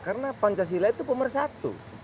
karena pancasila itu pemer satu